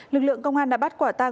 lực lượng công an đã bắt quả tang